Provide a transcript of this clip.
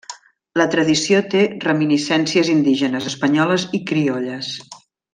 La tradició té reminiscències indígenes, espanyoles i criolles.